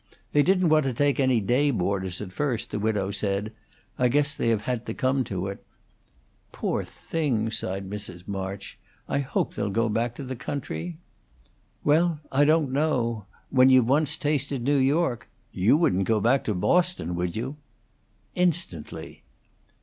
They didn't want to take any day boarders at first, the widow said; I guess they have had to come to it." "Poor things!" sighed Mrs. March. "I hope they'll go back to the country." "Well, I don't know. When you've once tasted New York You wouldn't go back to Boston, would you?" "Instantly."